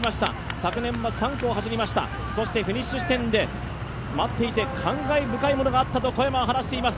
昨年は３区を走りました、そしてフィニッシュ地点で待っていて感慨深いものがあったと小山は話しています。